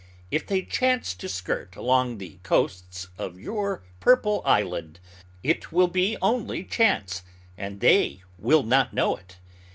If they chance to skirt along the coasts of your Purple Island, it will be only chance, and they will not know it.